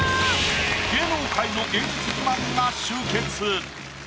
芸能界の芸術自慢が集結。